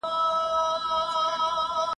پر غزل د جهاني به له ربابه نغمې اوري !.